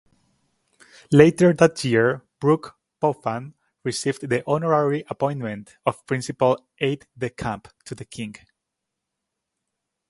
Later that year Brooke-Popham received the honorary appointment of Principal Aide-de-Camp to the King.